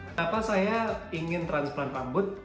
kenapa saya ingin transfer rambut